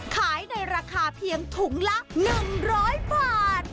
ขายในราคาเพียงถุงละ๑๐๐บาท